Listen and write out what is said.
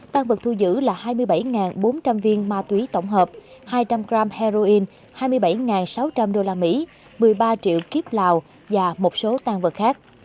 tăng vật thu giữ là hai mươi bảy bốn trăm linh viên ma túy tổng hợp hai trăm linh g heroin hai mươi bảy sáu trăm linh usd một mươi ba triệu kíp lào và một số tan vật khác